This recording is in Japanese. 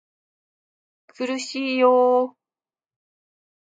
苦しいよ